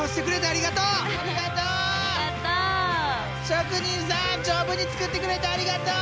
職人さん丈夫に作ってくれてありがとう！